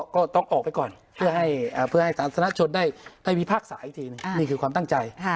ก็ต้องออกไปก่อนเพื่อให้สาธารณชนได้พิพากษาอีกทีหนึ่งนี่คือความตั้งใจ